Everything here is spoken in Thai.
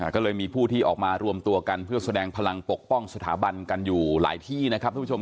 ก็เลยมีผู้ที่ออกมารวมตัวกันเพื่อแสดงพลังปกป้องสถาบันกันอยู่หลายที่นะครับทุกผู้ชม